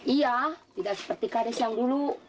iya tidak seperti karis yang dulu